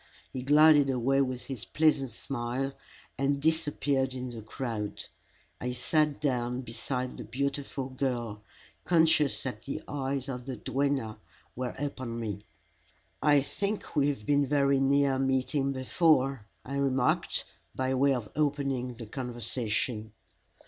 he glided away with his pleasant smile and disappeared in the crowd. I sat down beside the beautiful girl, conscious that the eyes of the duenna were upon me. "I think we have been very near meeting before," I remarked, by way of opening the conversation.